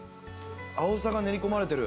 アオサが練り込まれてる。